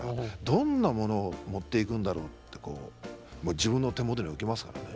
どんなものを持っていくんだろうって自分の手元に置きますからね。